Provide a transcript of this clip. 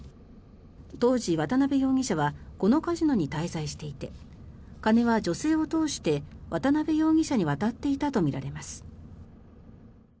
当時、渡邉容疑者はこのカジノに滞在していて金は女性を通して渡邉容疑者に渡っていたとみられます。